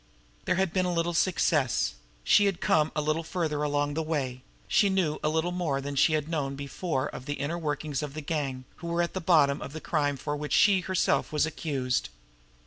There had been a little success; she had come a little farther along the way; she knew a little more than she had known before of the inner workings of the gang who were at the bottom of the crime of which she herself was accused.